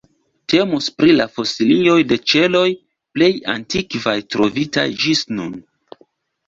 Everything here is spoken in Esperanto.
Temus pri la fosilioj de ĉeloj plej antikvaj trovitaj ĝis nun.